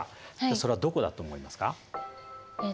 それはどこだと思いますか？